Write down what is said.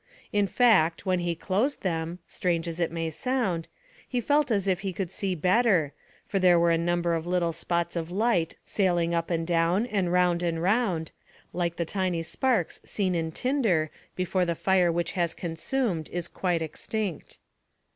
In fact, when he closed them, strange as it may sound, he felt as if he could see better, for there were a number of little spots of light sailing up and down and round and round, like the tiny sparks seen in tinder before the fire which has consumed is quite extinct.